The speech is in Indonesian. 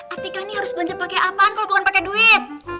aduh dika ini harus belanja pake apaan kalo bukan pake duit